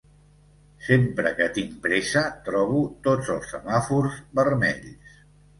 Sempre que tinc pressa trobo tots els semàfors vermells.